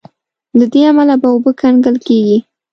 د دې له امله به اوبه کنګل کیږي.